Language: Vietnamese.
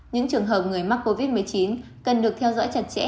những trường hợp người mắc covid một mươi chín cần được theo dõi chặt chẽ